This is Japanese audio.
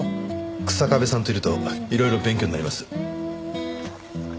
日下部さんといるといろいろ勉強になります。